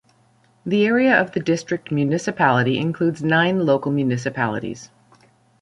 The area of the district municipality includes nine local municipalities.